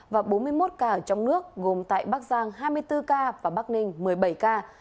và bốn mươi một ca ở trong nước gồm tại bắc giang hai mươi bốn ca và bắc ninh một mươi bảy ca